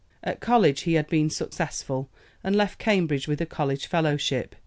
At college he had been successful, and left Cambridge with a college fellowship.